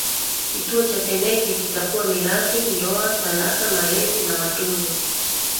Kituo cha Temeke kitakuwa mirathi ndoa talaka malezi na matunzo